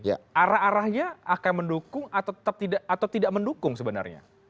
arah arahnya akan mendukung atau tidak mendukung sebenarnya